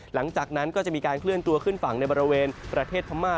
หลังจากนั้นก็จะมีการเคลื่อนตัวขึ้นฝั่งในบริเวณประเทศพม่า